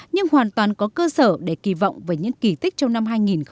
nhưng hoàn toàn có cơ sở để kỳ vọng về những kỳ tích trong năm hai nghìn một mươi chín